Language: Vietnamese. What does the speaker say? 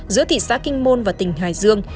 giữa thị xã kinh môn và tỉnh hải dương